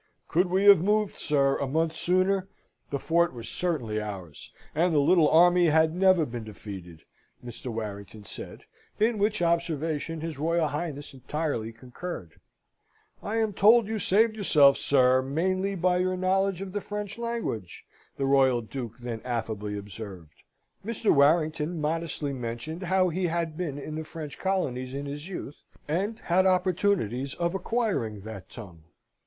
"Could we have moved, sir, a month sooner, the fort was certainly ours, and the little army had never been defeated," Mr. Warrington said; in which observation his Royal Highness entirely concurred. "I am told you saved yourself, sir, mainly by your knowledge of the French language," the Royal Duke then affably observed. Mr. Warrington modestly mentioned how he had been in the French colonies in his youth, and had opportunities of acquiring that tongue.